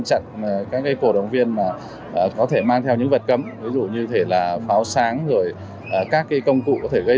chặn các cổ động viên có thể mang theo những vật cấm ví dụ như pháo sáng các công cụ có thể gây